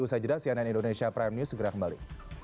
usai jeda cnn indonesia prime news segera kembali